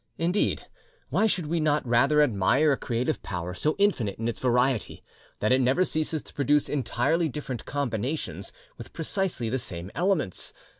Indeed, why should we not rather admire a Creative Power so infinite in its variety that it never ceases to produce entirely different combinations with precisely the same elements?